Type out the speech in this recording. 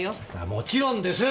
もちろんです！